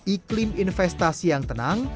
iklim investasi yang tenang